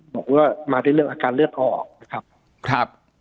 บอกว่ามาด้วยเรื่องอาการเลือดออกนะครับครับ